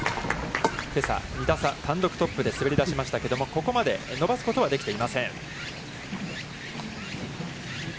けさ、２打差、単独トップで滑り出しましたけれども、ここまで伸ばすことはできていません。